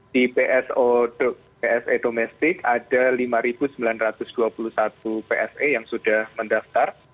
di pso domestik ada lima sembilan ratus dua puluh satu pse yang sudah mendaftar